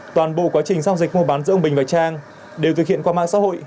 toàn bộ quá trình giao dịch mua bán giữa ông bình và trang đều thực hiện qua mạng xã hội